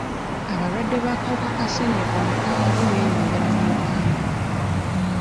Abalwadde b'akawuka ka ssenyiga omukambwe beeyongera mu Uganda.